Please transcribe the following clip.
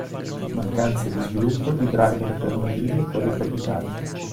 Mancanza di sviluppo di driver alternativi a quelli proprietari.